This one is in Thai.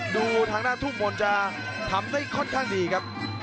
ดูทางด้านทุ่มมนต์จะทำได้ค่อนข้างดีครับ